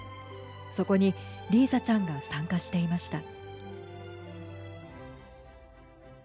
そこに、リーザちゃんが参加していました。